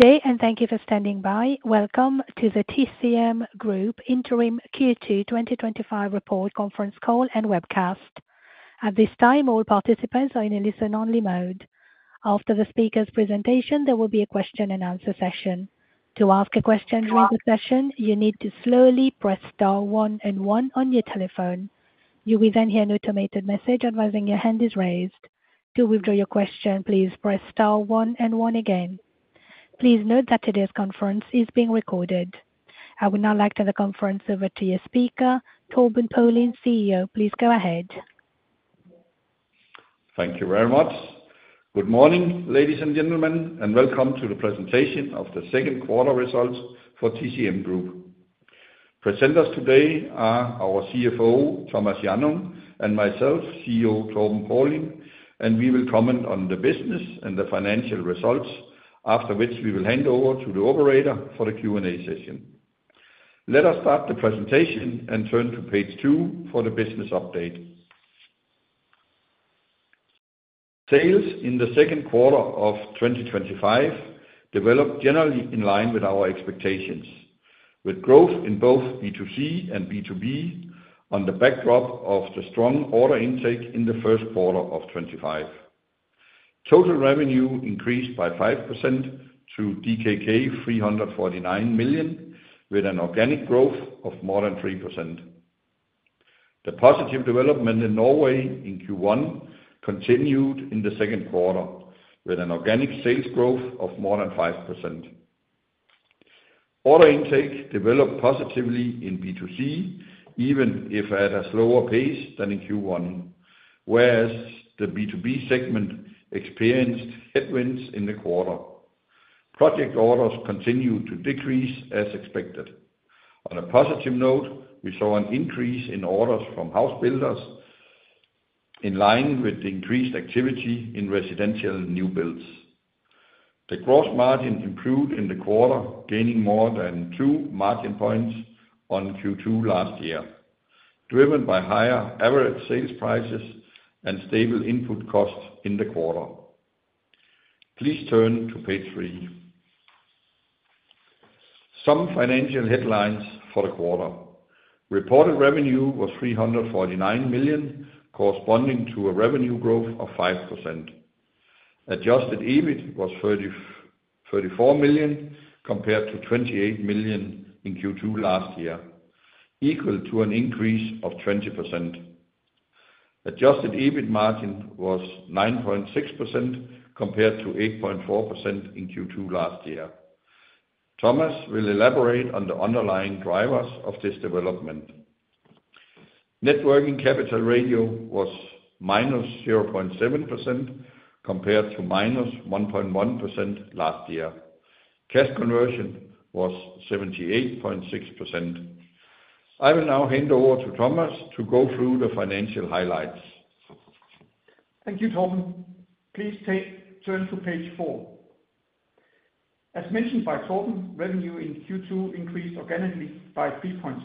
Today, and thank you for standing by, welcome to the TCM Group Interim Q2 2025 Report Conference Call and Webcast. At this time, all participants are in a listen-only mode. After the speaker's presentation, there will be a question and answer session. To ask a question during the session, you need to slowly press star one and one on your telephone. You will then hear an automated message advising your hand is raised. To withdraw your question, please press star one and one again. Please note that today's conference is being recorded. I would now like to hand the conference over to your speaker, Torben Paulin, CEO. Please go ahead. Thank you very much. Good morning, ladies and gentlemen, and welcome to the presentation of the second quarter results for TCM Group. Presenters today are our CFO, Thomas Hjannung, and myself, CEO Torben Paulin, and we will comment on the business and the financial results, after which we will hand over to the operator for the Q&A session. Let us start the presentation and turn to page two for the business update. Sales in the second quarter of 2025 developed generally in line with our expectations, with growth in both B2C and B2B on the backdrop of the strong order intake in the first quarter of 2025. Total revenue increased by DKK 5% to DKK 349 million, with an organic growth of more than 3%. The positive development in Norway in Q1 continued in the second quarter, with an organic sales growth of more than 5%. Order intake developed positively in B2C, even if at a slower pace than in Q1, whereas the B2B segment experienced headwinds in the quarter. Project orders continued to decrease as expected. On a positive note, we saw an increase in orders from house builders in line with the increased activity in residential new builds. The gross margin improved in the quarter, gaining more than two margin points on Q2 last year, driven by higher average sales prices and stable input costs in the quarter. Please turn to page three. Some financial headlines for the quarter. Reported revenue was 349 million, corresponding to a revenue growth of 5%. Adjusted EBIT was 34 million, compared to 28 million in Q2 last year, equal to an increase of 20%. Adjusted EBIT margin was 9.6%, compared to 8.4% in Q2 last year. Thomas will elaborate on the underlying drivers of this development. Net working capital ratio was -0.7%, compared to -1.1% last year. Cash conversion was 78.6%. I will now hand over to Thomas to go through the financial highlights. Thank you, Torben. Please turn to page four. As mentioned by Torben, revenue in Q2 increased organically by 3.3%,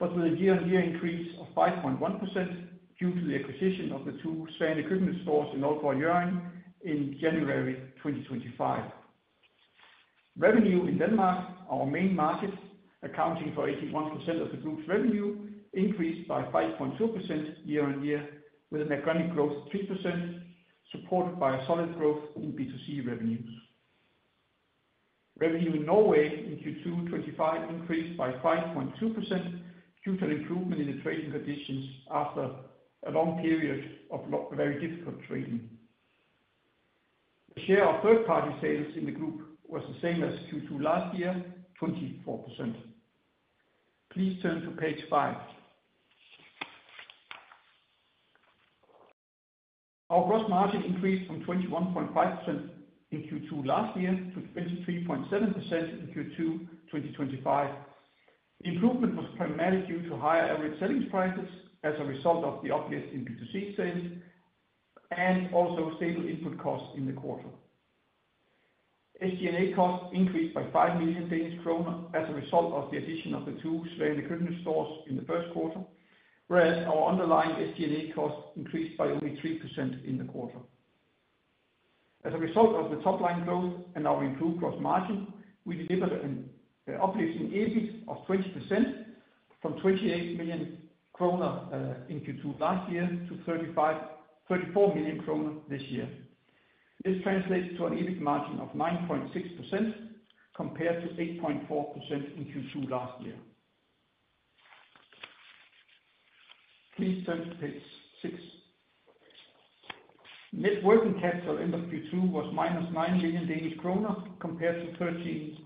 but with a year-on-year increase of 5.1% due to the acquisition of the two Svane Kjøkkenet stores in Nordkår, Jørgen, in January 2025. Revenue in Denmark, our main market, accounting for 81% of the group's revenue, increased by 5.2% year-on-year, with an organic growth of 3%, supported by a solid growth in B2C revenue. Revenue in Norway in Q2 2025 increased by 5.2% due to an improvement in the trading conditions after a long period of very difficult trading. The share of third-party sales in the group was the same as Q2 last year, 24%. Please turn to page five. Our gross margin increased from 21.5% in Q2 last year to 23.7% in Q2 2025. The improvement was primarily due to higher average selling prices as a result of the uplift in B2C sales and also stable input costs in the quarter. SG&A costs increased by 5 million Danish kroner as a result of the addition of the two Svanø Køkken stores in the first quarter, whereas our underlying SG&A costs increased by only 3% in the quarter. As a result of the top-line growth and our improved gross margin, we delivered an uplift in EBIT of 20% from 28 million kroner in Q2 last year to 34 million kroner this year. This translates to an EBIT margin of 9.6% compared to 8.4% in Q2 last year. Please turn to page six. Net working capital in Q2 was minus 9 million Danish kroner compared to 13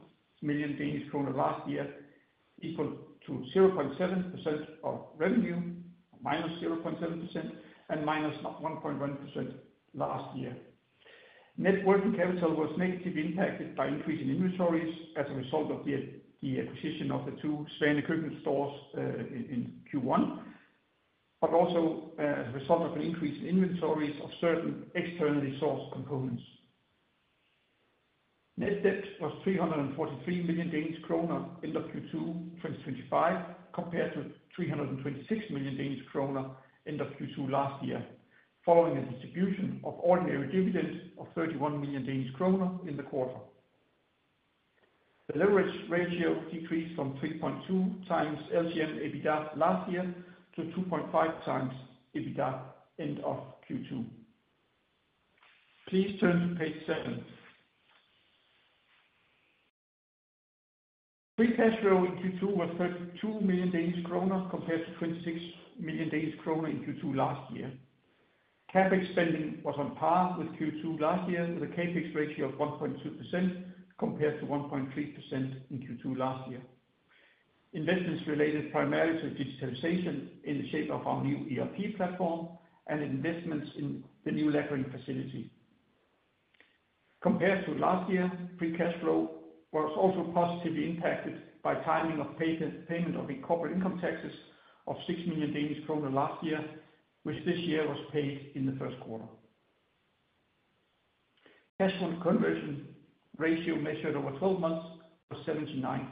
million Danish kroner last year, equal to -0.7% of revenue, and -1.1% last year. Net working capital was negatively impacted by increasing inventories as a result of the acquisition of the two Svanø Køkken stores in Q1, but also as a result of an increase in inventories of certain externally sourced components. Net debt was 343 million Danish kroner end of Q2 2025, compared to 326 million Danish kroner end of Q2 last year, following a distribution of ordinary dividend of 31 million Danish kroner in the quarter. The leverage ratio decreased from 3.2x LTM EBITDA last year to 2.5x EBITDA end of Q2. Please turn to page seven. Free cash flow in Q2 was 32 million Danish kroner compared to 26 million Danish kroner in Q2 last year. CapEx spending was on par with Q2 last year, with a CapEx ratio of 1.2% compared to 1.3% in Q2 last year. Investments related primarily to digitalization in the shape of our new ERP platform and investments in the new lettering facility. Compared to last year, free cash flow was also positively impacted by timing of payment of the corporate income taxes of 6 million Danish kroner last year, which this year was paid in the first quarter. Cash conversion ratio measured over 12 months was 79%.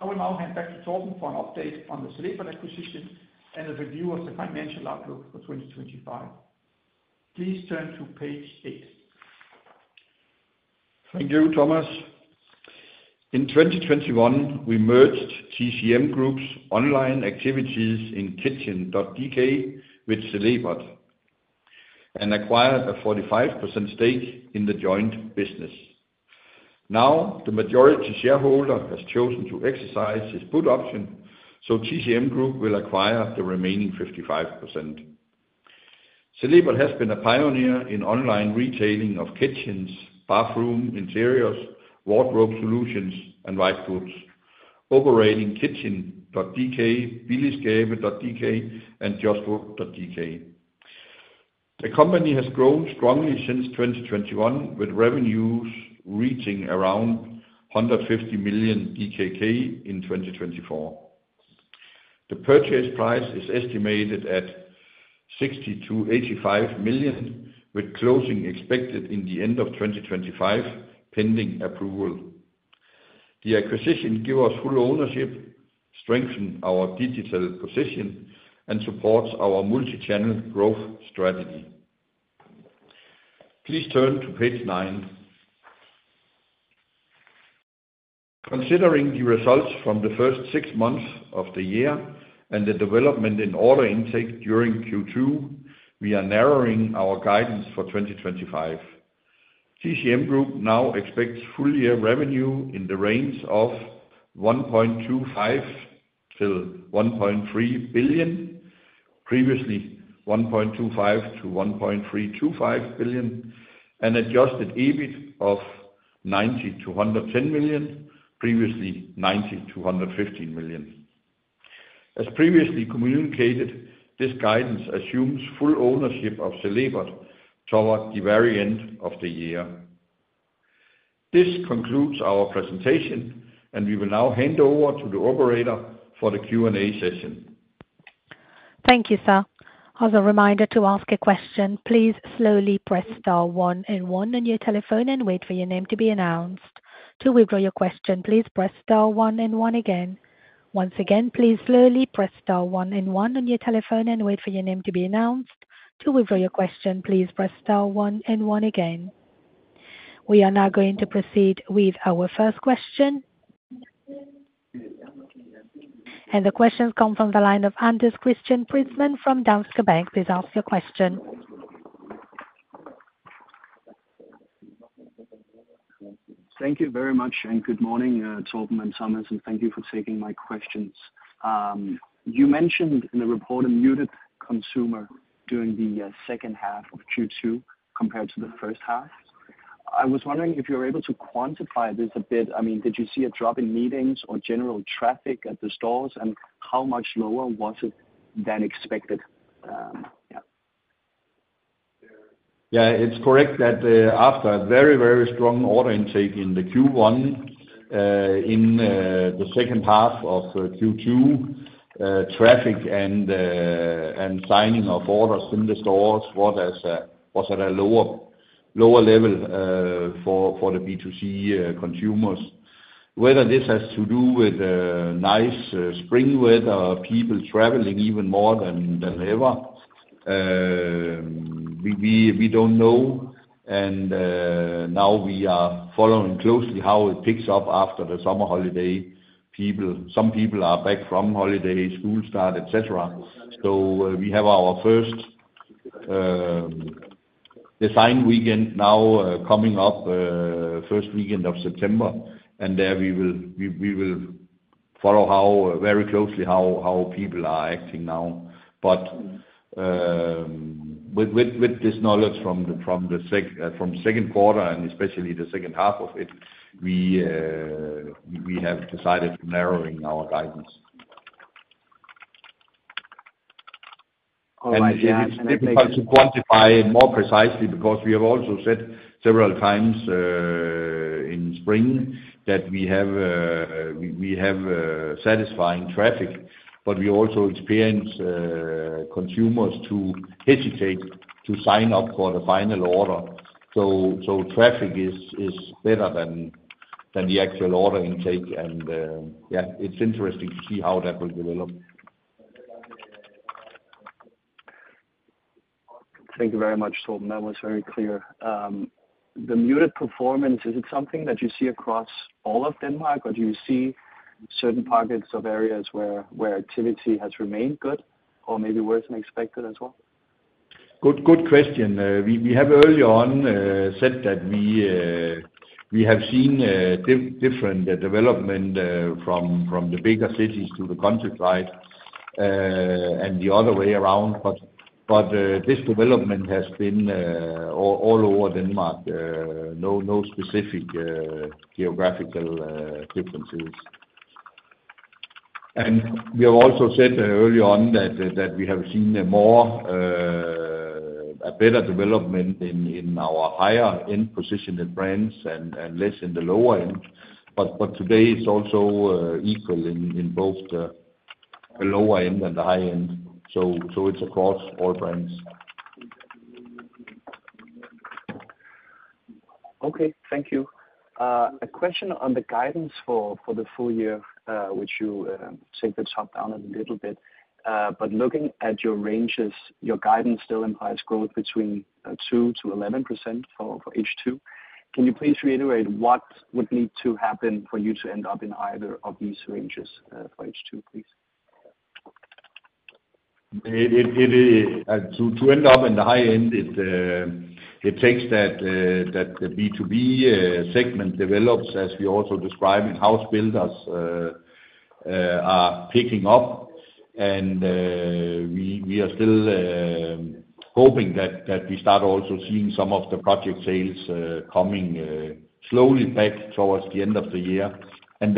I will now hand back to Torben for an update on the Celebert ecosystem and a review of the financial outlook for 2025. Please turn to page eight. Thank you, Thomas. In 2021, we merged TCM Group's online activities in Kitchen.dk with Celebert and acquired a 45% stake in the joint business. Now, the majority shareholder has chosen to exercise his put option, so TCM Group will acquire the remaining 55%. Celebert has been a pioneer in online retailing of kitchens, bathroom interiors, wardrobe solutions, and wipe booths, operating Kitchen.dk, Billysgave.dk, and Justwork.dk. The company has grown strongly since 2021, with revenues reaching around 150 million DKK in 2024. The purchase price is estimated at 60 million-85 million, with closing expected in the end of 2025, pending approval. The acquisition gives us full ownership, strengthens our digital position, and supports our multi-channel growth strategy. Please turn to page nine. Considering the results from the first six months of the year and the development in order intake during Q2, we are narrowing our guidance for 2025. TCM Group now expects full-year revenue in the range of 1.25 billion-3 billion, previously 1.25 billion-1.325 billion, and adjusted EBIT of 90 million-110 million, previously 90 million-115 million. As previously communicated, this guidance assumes full ownership of Celebert toward the very end of the year. This concludes our presentation, and we will now hand over to the operator for the Q&A session. Thank you, sir. As a reminder to ask a question, please slowly press star one and one on your telephone and wait for your name to be announced. To withdraw your question, please press star one and one again. Once again, please slowly press star one and one on your telephone and wait for your name to be announced. To withdraw your question, please press star one and one again. We are now going to proceed with our first question. The questions come from the line of Anders Christian Preetzmann from Danske Bank. Please ask your question. Thank you very much, and good morning, Torben and Thomas, and thank you for taking my questions. You mentioned in the report a muted consumer during the second half of Q2 compared to the first half. I was wondering if you're able to quantify this a bit. I mean, did you see a drop in meetings or general traffic at the stores, and how much lower was it than expected? Yeah, it's correct that after a very, very strong order intake in Q1, in the second half of Q2, traffic and signing of orders in the stores was at a lower level for the B2C consumers. Whether this has to do with nice spring weather or people traveling even more than ever, we don't know. We are following closely how it picks up after the summer holiday. Some people are back from holidays, school start, etc. We have our first design weekend now coming up, first weekend of September, and we will follow very closely how people are acting now. With this knowledge from the second quarter and especially the second half of it, we have decided to narrow our guidance. It's difficult to quantify it more precisely because we have also said several times in spring that we have satisfying traffic, but we also experience consumers to hesitate to sign up for the final order. Traffic is better than the actual order intake. Yeah, it's interesting to see how that will develop. Thank you very much, Torben. That was very clear. The muted performance, is it something that you see across all of Denmark, or do you see certain pockets of areas where activity has remained good or maybe worse than expected as well? Good question. We have earlier on said that we have seen different development from the bigger cities to the countryside and the other way around. This development has been all over Denmark, no specific geographical differences. We have also said earlier on that we have seen a better development in our higher-end positioned brands and less in the lower end. Today it's also equal in both the lower end and the high end. It's across all brands. Okay, thank you. A question on the guidance for the full year, which you checked the top down a little bit. Looking at your ranges, your guidance still implies growth between 2%-11% for H2. Can you please reiterate what would need to happen for you to end up in either of these ranges for H2, please? To end up in the high end, it takes that the B2B segment develops, as we also describe in house builders are picking up. We are still hoping that we start also seeing some of the project sales coming slowly back towards the end of the year. The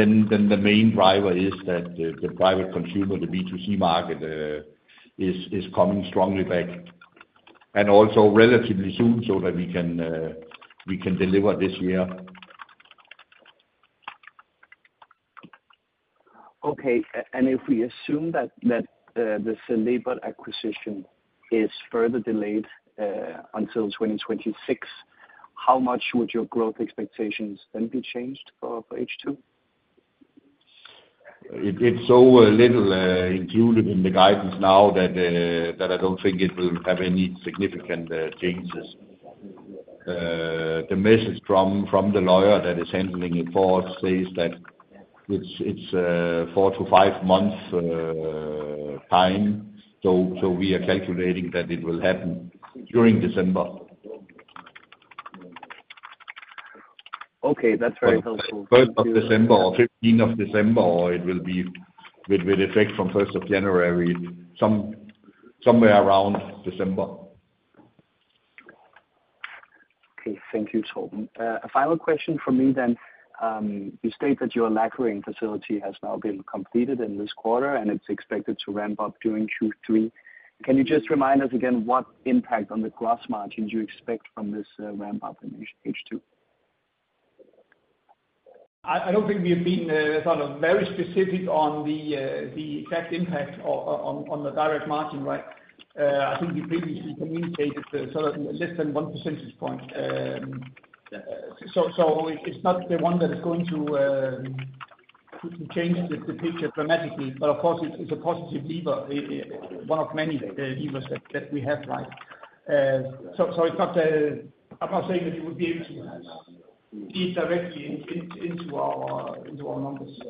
main driver is that the private consumer, the B2C market is coming strongly back, and also relatively soon so that we can deliver this year. If we assume that the Celebert acquisition is further delayed until 2026, how much would your growth expectations then be changed for H2? It's so little included in the guidance now that I don't think it will have any significant changes. The message from the lawyer that is handling it for us says that it's four to five months' time. We are calculating that it will happen during December. Okay, that's very helpful. The first of December or 15th of December, or it will be with effect from 1st of January, somewhere around December. Okay, thank you, Torben. A final question from me then. You state that your lettering facility has now been completed in this quarter, and it's expected to ramp up during Q3. Can you just remind us again what impact on the gross margin you expect from this ramp-up in H2? I don't think we have been very specific on the exact impact on the direct margin, right? I think we previously communicated less than 1%. It's not the one that is going to change the picture dramatically. Of course, it's a positive lever, one of many levers that we have, right? I'm not saying that you would be able to eat directly into our numbers.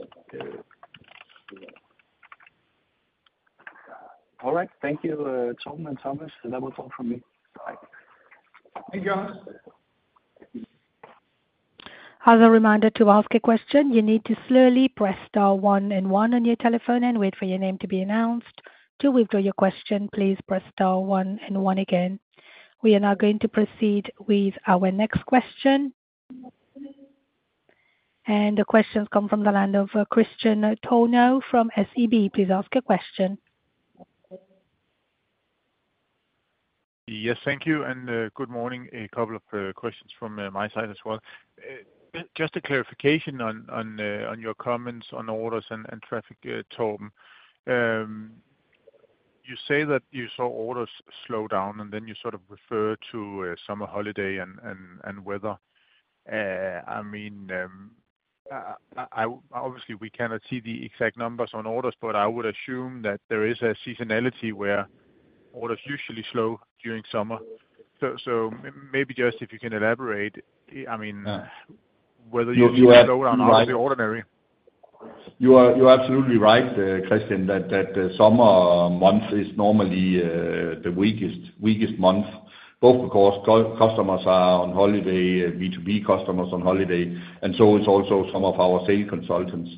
All right. Thank you, Torben and Thomas. That was all from me. Thank you, Anders. As a reminder to ask a question, you need to slowly press star one and one on your telephone and wait for your name to be announced. To withdraw your question, please press star one and one again. We are now going to proceed with our next question. The questions come from the line of Kristian Tornøe from SEB. Please ask a question. Yes, thank you. Good morning. A couple of questions from my side as well. Just a clarification on your comments on orders and traffic, Torben. You say that you saw orders slow down, and you sort of refer to summer holiday and weather. Obviously, we cannot see the exact numbers on orders, but I would assume that there is a seasonality where orders usually slow during summer. Maybe just if you can elaborate, whether you slow down out of the ordinary. You are absolutely right, Kristian, that the summer month is normally the weakest month. Both the customers are on holiday, B2B customers on holiday, and so are also some of our sales consultants.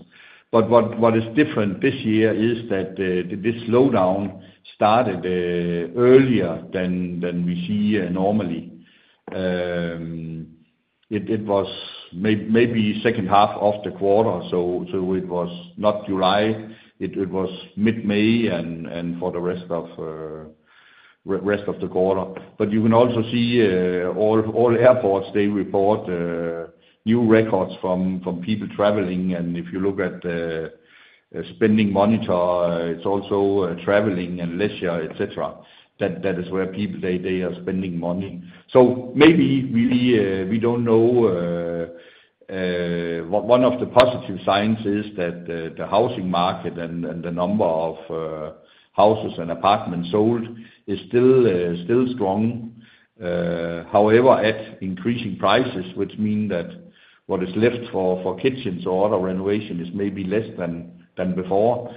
What is different this year is that this slowdown started earlier than we see normally. It was maybe the second half of the quarter, so it was not July. It was mid-May and for the rest of the quarter. You can also see all airports report new records from people traveling. If you look at the spending monitor, it's also traveling and leisure, etc. That is where people are spending money. Maybe we don't know. One of the positive signs is that the housing market and the number of houses and apartments sold is still strong. However, at increasing prices, which means that what is left for kitchens or other renovations is maybe less than before.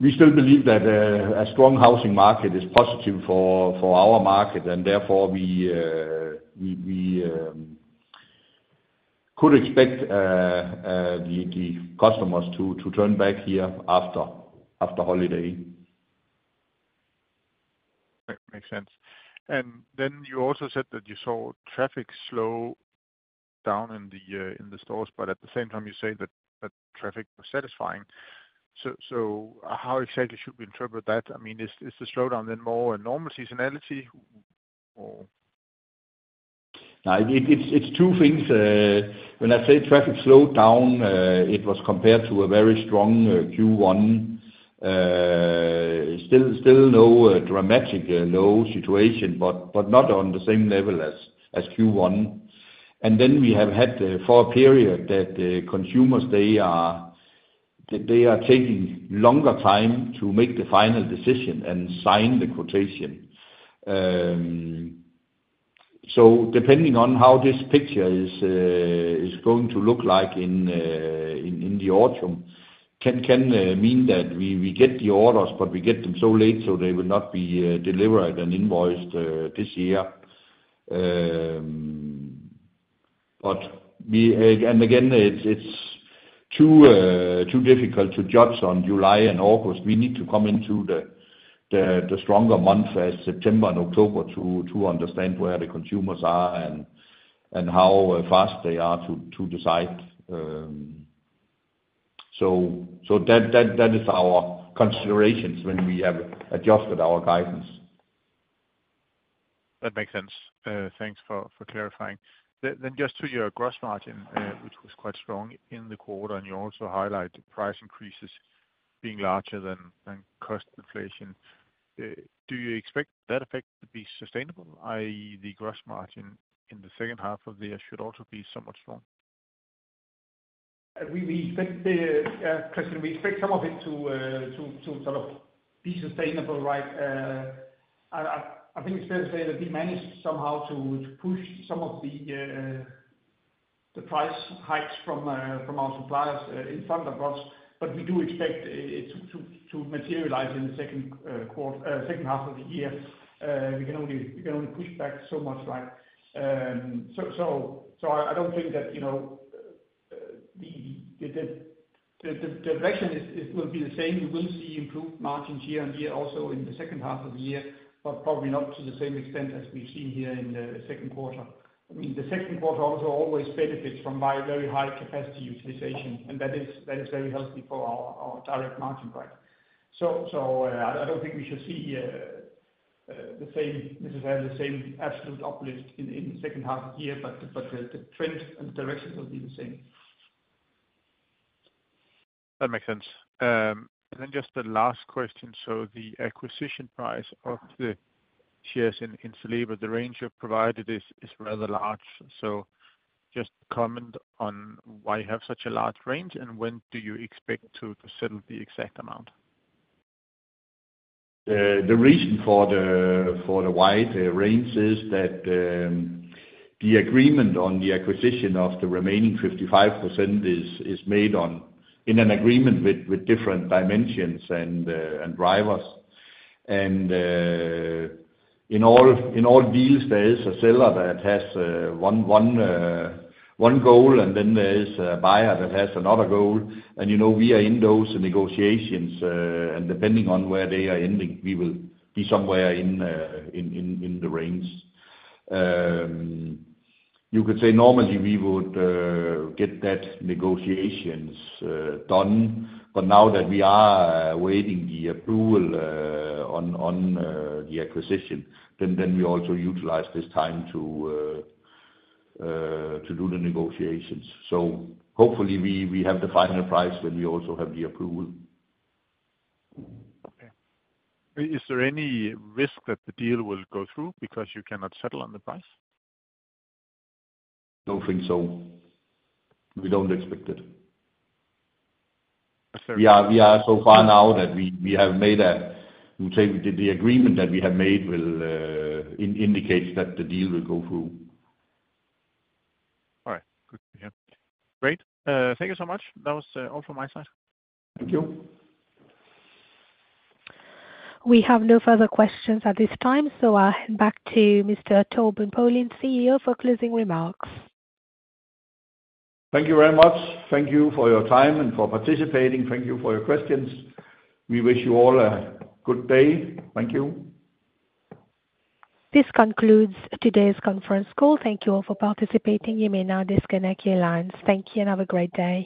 We still believe that a strong housing market is positive for our market, and therefore we could expect the customers to turn back here after holiday. That makes sense. You also said that you saw traffic slow down in the stores, but at the same time, you say that traffic was satisfying. How exactly should we interpret that? I mean, is the slowdown then more a normal seasonality? No, it's two things. When I say traffic slowed down, it was compared to a very strong Q1. Still no dramatic low situation, but not on the same level as Q1. We have had for a period that consumers, they are taking longer time to make the final decision and sign the quotation. Depending on how this picture is going to look like in the autumn, it can mean that we get the orders, but we get them so late so they will not be delivered and invoiced this year. Again, it's too difficult to judge on July and August. We need to come into the stronger months as September and October to understand where the consumers are and how fast they are to decide. That is our considerations when we have adjusted our guidance. That makes sense. Thanks for clarifying. Just to your gross margin, which was quite strong in the quarter, you also highlight the price increases being larger than cost inflation. Do you expect that effect to be sustainable? I.e., the gross margin in the second half of the year should also be somewhat strong. Kristian, we expect some of it to sort of be sustainable, right? I think it's better to say that we managed somehow to push some of the price hikes from our suppliers in front of us. We do expect it to materialize in the second half of the year. We can only push back so much. I don't think that, you know, the direction will be the same. You will see improved margins year on year also in the second half of the year, but probably not to the same extent as we've seen here in the second quarter. I mean, the second quarter also always benefits from very high capacity utilization, and that is very healthy for our direct margin, right? I don't think we should see necessarily the same absolute uplift in the second half of the year, but the trends and directions will be the same. That makes sense. Just the last question. The acquisition price of the shares in Celebrity, the range you've provided is rather large. Could you comment on why you have such a large range and when you expect to settle the exact amount? The reason for the wide range is that the agreement on the acquisition of the remaining 55% is made in an agreement with different dimensions and drivers. In all deals, there is a seller that has one goal, and then there is a buyer that has another goal. We are in those negotiations, and depending on where they are ending, we will be somewhere in the range. Normally we would get that negotiation done, but now that we are awaiting the approval on the acquisition, we also utilize this time to do the negotiations. Hopefully, we have the final price when we also have the approval. Okay. Is there any risk that the deal will not go through because you cannot settle on the price? I don't think so. We don't expect it. We are so far now that we have made an agreement that will indicate that the deal will go through. All right. Good to hear. Great. Thank you so much. That was all from my side. Thank you. We have no further questions at this time. I'll hand back to Mr. Torben Paulin, CEO, for closing remarks. Thank you very much. Thank you for your time and for participating. Thank you for your questions. We wish you all a good day. Thank you. This concludes today's conference call. Thank you all for participating. You may now disconnect your lines. Thank you and have a great day.